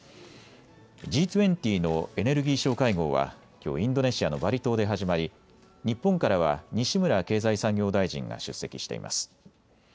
Ｇ２０のエネルギー相会合はきょうインドネシアのバリ島で始まり日本からは西村経済産業大臣が出席しています。